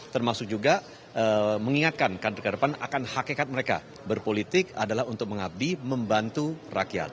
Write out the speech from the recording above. termasuk juga mengingatkan kader kader pan akan hakikat mereka berpolitik adalah untuk mengabdi membantu rakyat